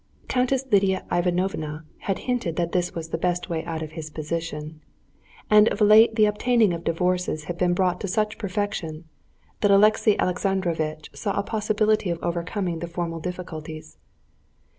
Countess Lidia Ivanovna had hinted that this was the best way out of his position, and of late the obtaining of divorces had been brought to such perfection that Alexey Alexandrovitch saw a possibility of overcoming the formal difficulties.